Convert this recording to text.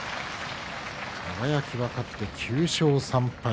輝、勝って９勝３敗。